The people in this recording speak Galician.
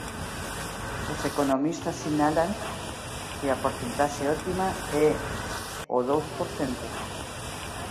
Os economistas sinalan que a porcentaxe óptima é o dous por cento.